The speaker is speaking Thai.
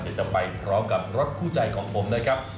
เดี๋ยวจะไปพร้อมกับรถคู่ใจของผมนะครับ